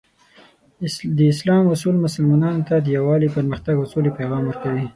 د اسلام اصول مسلمانانو ته د یووالي، پرمختګ، او سولې پیغام ورکوي.